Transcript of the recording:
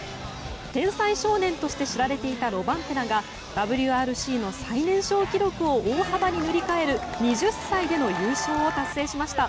天才少年として知られていたロバンペラがＷＲＣの最年少記録を大幅に塗り替える２０歳での優勝を達成しました。